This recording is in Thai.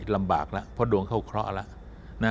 ลำบากแล้วเพราะดวงเข้าเคราะห์แล้ว